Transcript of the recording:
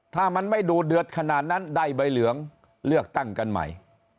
ถ้ามันไม่ดูเดือดขนาดนั้นได้ใบเหลืองเลือกตั้งกันใหม่